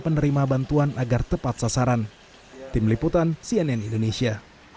penerima bantuan agar tepat sasaran tim liputan cnn indonesia